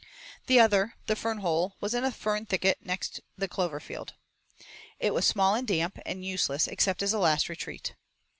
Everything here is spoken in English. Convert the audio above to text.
The other, the fern hole, was in a fern thicket next the clover field. It was small and damp, and useless except as a last retreat.